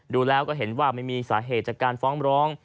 ดูแล้วก็เห็นว่าไม่มีสาเหตุจากการฟ้องร้อง